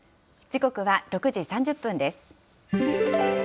時刻は６時３０分です。